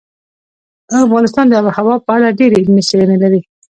افغانستان د آب وهوا په اړه ډېرې علمي څېړنې لري.